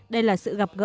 đây là sự gặp gỡ